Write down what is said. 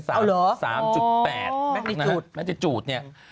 น่าจะจูดเนี่ย